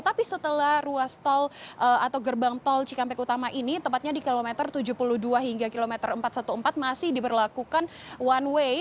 tapi setelah ruas tol atau gerbang tol cikampek utama ini tepatnya di kilometer tujuh puluh dua hingga kilometer empat ratus empat belas masih diberlakukan one way